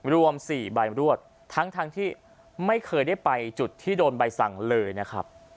รวม๔ใบรวดทั้งที่ไม่เคยได้ไปจุดที่โดนใบสั่งเลยนะครับ